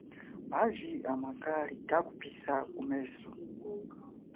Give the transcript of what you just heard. Maji amakali kakupihisa kumeso.